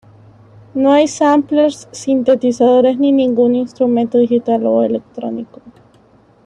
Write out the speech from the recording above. No hay samplers, sintetizadores ni ningún instrumento digital o electrónico.